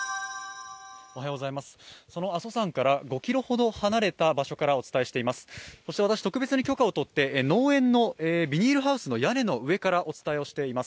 阿蘇山から５ｋｍほど離れた場所からお伝えしています。